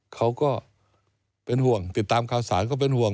เขาก็เป็นห่วงติดตามข่าวสารก็เป็นห่วง